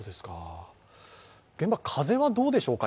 現場、風はどうでしょうか。